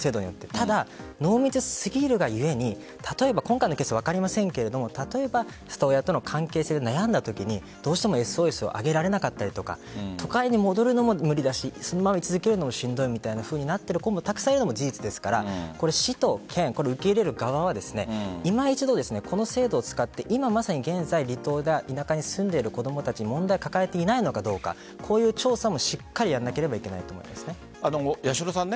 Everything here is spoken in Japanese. ただ、濃密すぎるが故に例えば今回のケースは分かりませんが里親との関係性で悩んだときにＳＯＳを上げられなかったりとか都会に戻るのも無理だし続けるのもしんどいみたいなふうになっている子もたくさんいるのも事実ですから市と県、受け入れるかは今一度この制度を使って今まさに現在離島で田舎に住んでる子供たち問題を抱えていないのかこういう調査もしっかりやらなければいけないと八代さん